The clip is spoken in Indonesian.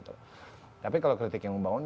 tapi kalau kritik yang membangun